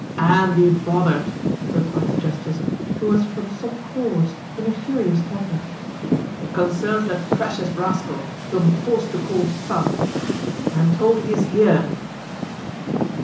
"Anne be bothered," replied the justice, who was from some cause, in a furious temper. "It concerns that precious rascal, who I am forced to call son. I am told he is here."